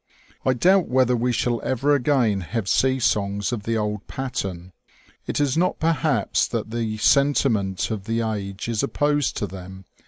I doubt whether we shall ever again have sea songs of the old pattern. It is not perhaps that the sentiment of the age is opposed to them